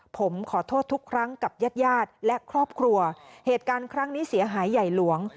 ผมขอโทษทุกครั้งกับญาติญาติและครอบครัวเหตุการณ์ครั้งนี้เสียหายใหญ่หลวง